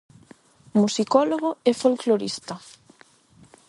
Musicólogo e folclorista.